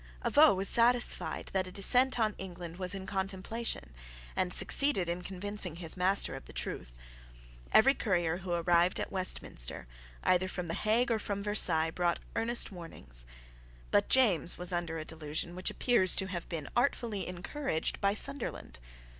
Avaux was satisfied that a descent on England was in contemplation, and succeeded in convincing his master of the truth. Every courier who arrived at Westminster, either from the Hague or from Versailles, brought earnest warnings. But James was under a delusion which appears to have been artfully encouraged by Sunderland.